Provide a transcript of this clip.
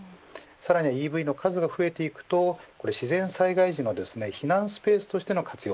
さらにはＥＶの数が増えていくと自然災害時の避難スペースとしての活用